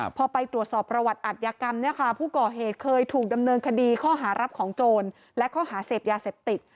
พอไปตรวจสอบประวัติอัตยากรรมเนี่ยค่ะผู้ก่อเหตุเคยถูกดำเนินคดีข้อหารับของโจรและข้อหาเสพยาเสพติด